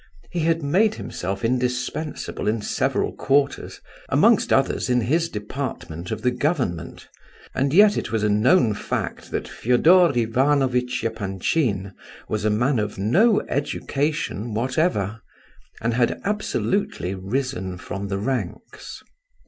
He had made himself indispensable in several quarters, amongst others in his department of the government; and yet it was a known fact that Fedor Ivanovitch Epanchin was a man of no education whatever, and had absolutely risen from the ranks.